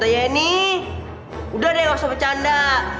ini udah deh gak usah bercanda